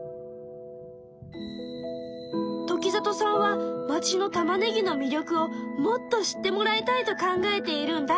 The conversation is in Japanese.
時里さんは町のたまねぎのみりょくをもっと知ってもらいたいと考えているんだ。